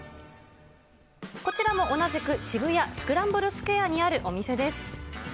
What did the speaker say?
こちらも、同じく渋谷スクランブルスクエアにあるお店です。